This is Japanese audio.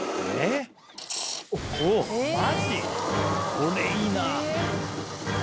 これいいなぁ。